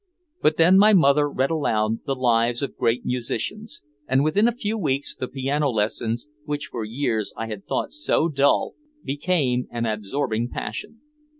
But then my mother read aloud "The Lives of Great Musicians," and within a few weeks the piano lessons which for years I had thought so dull became an absorbing passion.